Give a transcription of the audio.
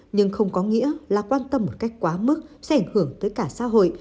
nhưng không có nghĩa là quan tâm một cách quá mức sẽ ảnh hưởng tới cả xã hội